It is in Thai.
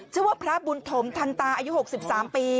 ชื่อว่าพระบุญถมทันตาอายุ๖๓ปี